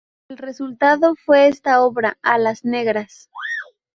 El resultado fue esta obra: Alas negras.